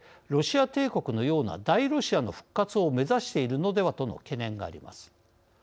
ロシア帝国のような大ロシアの復活を目指しているのではとの懸念があります。